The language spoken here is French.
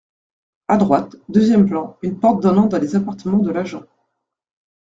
À droite, deuxième plan, une porte donnant dans les appartements de l’Agent.